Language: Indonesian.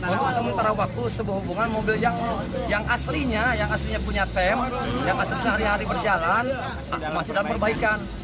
untuk sementara waktu sebuah hubungan mobil yang aslinya yang aslinya punya tem yang asli sehari hari berjalan masih dalam perbaikan